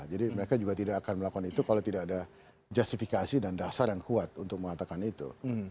jadi mereka juga tidak akan melakukan itu kalau tidak ada justifikasi dan dasar yang kuat untuk mengatakan itu